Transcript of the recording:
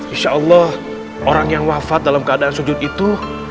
insya allah orang yang wafat dalam keadaan sujud itu